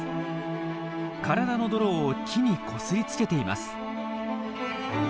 体の泥を木にこすりつけています。